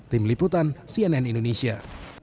tim liputan cnn indonesia